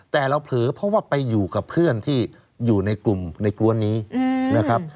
แต่เราเผลอเพราะว่าไปอยู่กับเพื่อนที่อยู่ในกลุ่มในกล้วนนี้นะครับ